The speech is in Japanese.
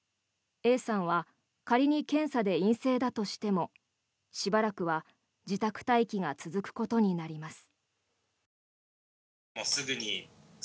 Ａさんは仮に検査で陰性だとしてもしばらくは自宅待機が続くことになります。